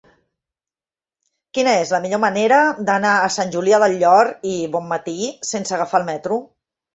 Quina és la millor manera d'anar a Sant Julià del Llor i Bonmatí sense agafar el metro?